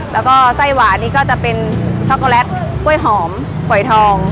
แล้วก็ไส้หวานนี่ก็จะเป็นช็อกโกแลตกล้วยหอมฝอยทอง